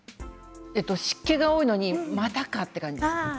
湿気が多いのにまたかという感じですね。